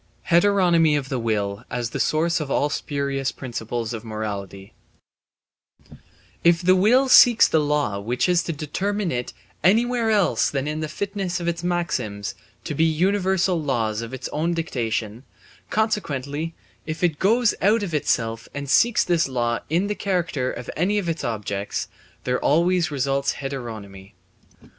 Heteronomy of the Will as the Source of all spurious Principles of Morality If the will seeks the law which is to determine it anywhere else than in the fitness of its maxims to be universal laws of its own dictation, consequently if it goes out of itself and seeks this law in the character of any of its objects, there always results heteronomy.